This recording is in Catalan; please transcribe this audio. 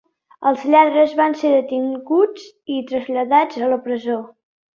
Els lladres van ser detinguts i traslladats a la presó.